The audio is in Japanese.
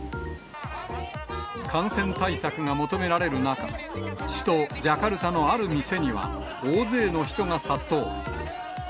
感染対策が求められる中、首都ジャカルタのある店には、大勢の人が殺到。